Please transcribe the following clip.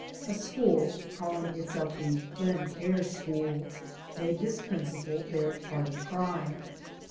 A school, calling itself the ''plein air'' school, made this principle their party cry.